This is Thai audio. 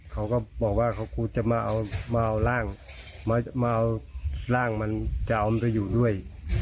เขาก็บอกว่าเขากูจะมาเอาล่างมันจะเอาตัวอยู่ด้วย